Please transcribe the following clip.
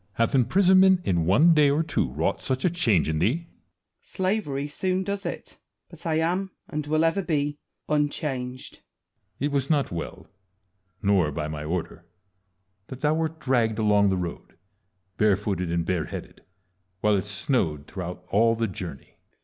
hath imprisonment in one day or two wrought such a change in thee ? Wallace. Slavery soon does it ; but I am, and will ever be, unchanged. Edward. It was not well, nor by my order, that thou wert dragged along the road, barefooted and bareheaded, while it snowed throughout all the journey.